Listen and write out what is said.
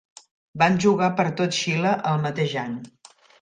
Van jugar per tot Xile el mateix any.